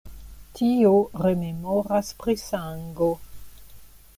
Tio rememoras pri sango.